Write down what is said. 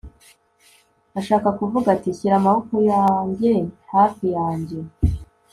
ashaka kuvuga ati shyira amaboko yanjye hafi yanjye